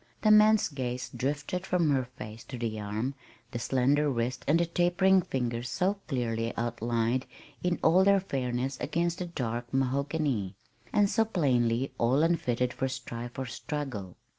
The man's gaze drifted from her face to the arm, the slender wrist and the tapering fingers so clearly outlined in all their fairness against the dark mahogany, and so plainly all unfitted for strife or struggle.